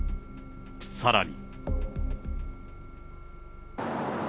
さらに。